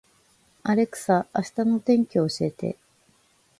アレクサ、明日の天気を教えて